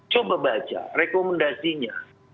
coba baca rekomendasinya